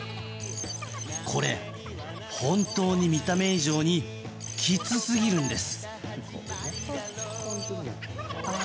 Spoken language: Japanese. これ、本当に見た目以上にきつすぎるんです。